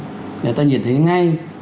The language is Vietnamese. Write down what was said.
người ta nhìn thấy ngay